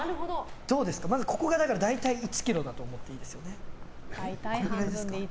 まず、ここが大体１ｋｇだと思っていいですよね。